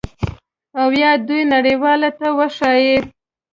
او یا دوی نړیوالو ته وښایي